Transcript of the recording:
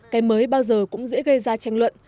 cái mới bao giờ cũng dễ gây ra tranh luận